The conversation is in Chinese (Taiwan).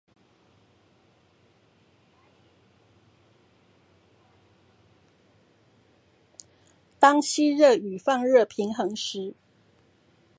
當吸熱與放熱平衡時